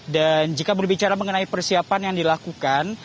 dan jika berbicara mengenai persiapan yang dilakukan